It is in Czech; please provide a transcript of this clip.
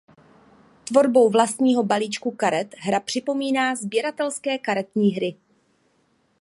Tvorbou vlastního balíčku karet hra připomíná sběratelské karetní hry.